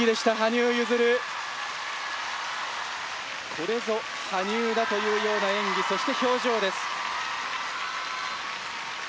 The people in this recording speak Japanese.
これぞ羽生だというような演技そして表情です。